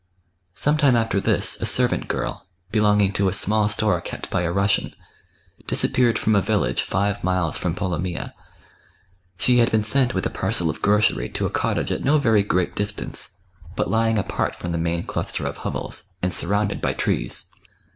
Some time after this a servant girl, belonging to a small store kept by a Eussian, disappeared from a village five miles from Polomyja. She had been sent with a parcel of grocery to a cottage at no very great distance, but lying apart from the main cluster of hovels, and surrounded by trees.